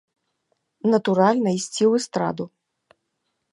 Натуральна ісці ў эстраду.